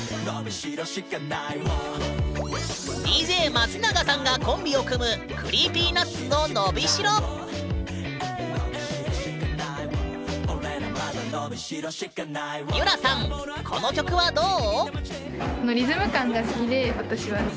ＤＪ松永さんがコンビを組むＣｒｅｅｐｙＮｕｔｓの『のびしろ』ゆらさんこの曲はどう？